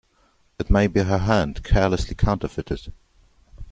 It may be her hand carelessly counterfeited.